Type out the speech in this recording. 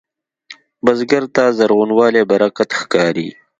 بزګر ته زرغونوالی برکت ښکاري